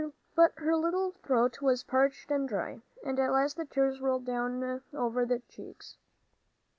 But her little throat was parched and dry, and at last the tears rolled over the round cheeks.